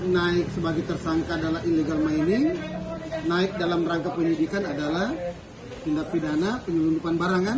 naik sebagai tersangka adalah illegal mining naik dalam rangka penyidikan adalah tindak pidana penyelundupan barangan